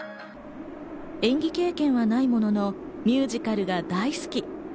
演技経験はないもののミュージカルが大好き。